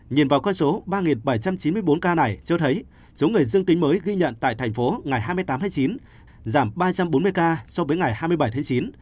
nhìn vào con số ba bảy trăm chín mươi bốn ca này cho thấy số người dương tính mới ghi nhận tại thành phố ngày hai mươi tám tháng chín giảm ba trăm bốn mươi ca so với ngày hai mươi bảy tháng chín